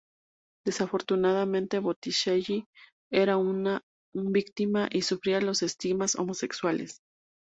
Desafortunadamente, Botticelli era un víctima, y sufría los estigmas homosexuales.